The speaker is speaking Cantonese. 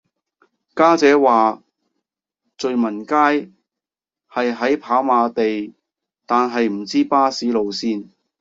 家姐話聚文街係喺跑馬地但係唔知巴士路線